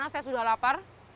saya sudah lapar